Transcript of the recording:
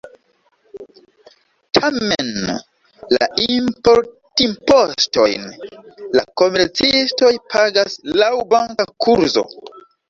Tamen, la importimpostojn la komercistoj pagas laŭ banka kurzo.